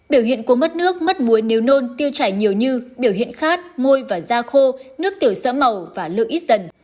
biểu hiện cô mất nước mất muối nếu nôn tiêu chảy nhiều như biểu hiện khát môi và da khô nước tiểu sỡ màu và lượng ít dần